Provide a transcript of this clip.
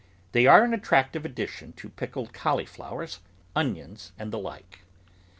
They are an attractive addition to pickled cauli flowers, onions, and the like.